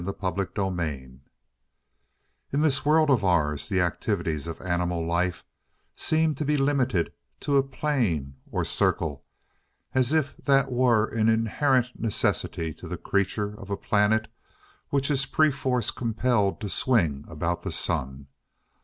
CHAPTER XXXIV In this world of ours the activities of animal life seem to be limited to a plane or circle, as if that were an inherent necessity to the creatures of a planet which is perforce compelled to swing about the sun.